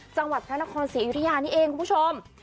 จังหวัดพระนครศรีอยุธยานี่เองคุณผู้ชม